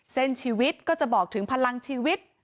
ชีวิตก็จะบอกถึงพลังชีวิต